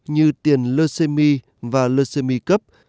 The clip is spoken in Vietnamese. như tiền le semi và le semi cup